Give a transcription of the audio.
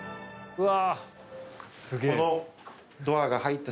うわ！